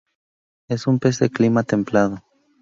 Es un pez de clima templado.